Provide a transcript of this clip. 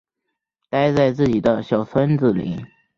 待在自己的小圈子里